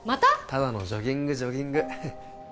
ただのジョギングジョギング